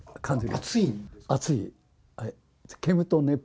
熱い？